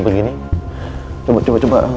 enggak peduli yang purchases ha organ